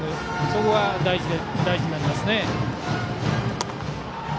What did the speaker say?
そこが大事になりますね。